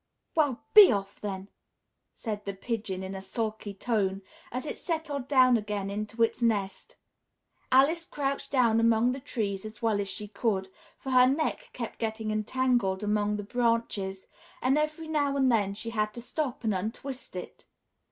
"Well, be off, then!" said the Pigeon in a sulky tone, as it settled down again into its nest. Alice crouched down among the trees as well as she could, for her neck kept getting entangled among the branches, and every now and then she had to stop and untwist it.